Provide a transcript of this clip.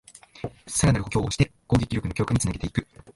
さらなる補強をして攻撃力の強化につなげていく